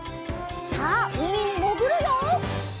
さあうみにもぐるよ！